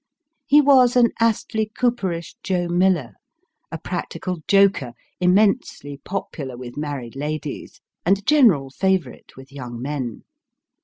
He was an Astley Cooperish Joe Miller a practical joker, immensely popular with married ladies, and a general favourite with young men.